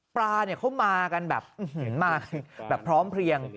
ปลาเขามากันแบบพร้อมเพลียง